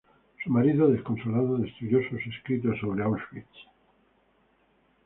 Su marido, desconsolado, destruyó sus escritos sobre Auschwitz.